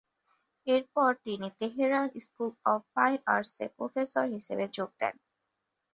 এরপর তিনি Tehran school of fine আর্টসে প্রফেসর হিসেবে যোগ দেন।